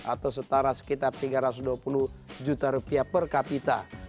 atau setara sekitar tiga ratus dua puluh juta rupiah per kapita